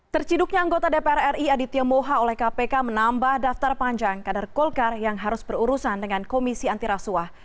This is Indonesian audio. terciduknya anggota dpr ri aditya moha oleh kpk menambah daftar panjang kader golkar yang harus berurusan dengan komisi antirasuah